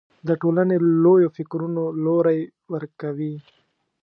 د ټولنې لویو فکرونو لوری ورکوي